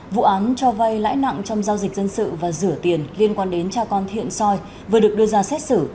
vụ án cho vay lãi nặng trong giao dịch dân sự và rửa tiền liên quan đến cha con thiện soi vừa được đưa ra xét xử